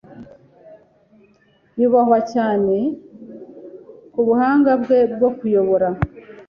Yubahwa cyane kubuhanga bwe bwo kuyobora.